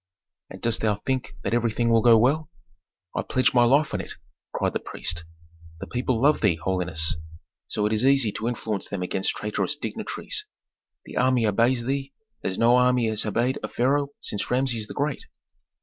"And dost thou think that everything will go well?" "I pledge my life on it!" cried the priest. "The people love thee, holiness, so it is easy to influence them against traitorous dignitaries. The army obeys thee as no army has obeyed a pharaoh since Rameses the Great.